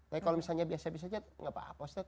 tapi kalau misalnya biasa biasanya gak apa apa ustadz